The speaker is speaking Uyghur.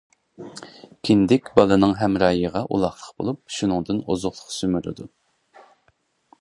كىندىك بالىنىڭ ھەمراھىغا ئۇلاقلىق بولۇپ، شۇنىڭدىن ئوزۇقلۇق سۈمۈرىدۇ.